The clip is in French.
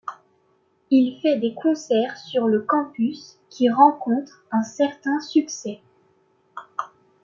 Il fait des concerts sur le campus qui rencontrent un certain succès.